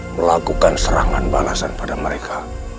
melakukan serangan balasan pada mereka